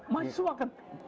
masih suah kan